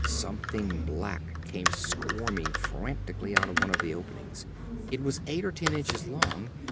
Something black came squirming frantically out of one of the openings. It was eight or ten inches long.